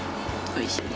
おいしい。